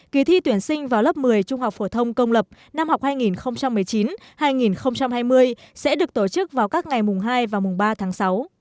kỳ thi tuyển sinh vào lớp một mươi trung học phổ thông công lập năm học hai nghìn một mươi chín hai nghìn hai mươi sẽ được tổ chức vào các ngày mùng hai và mùng ba tháng sáu